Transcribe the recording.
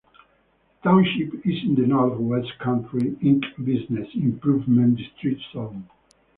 The township is in the North West Country Inc business improvement district zone.